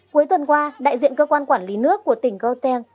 cuối tuần qua đại diện cơ quan quản lý nước của tỉnh grotein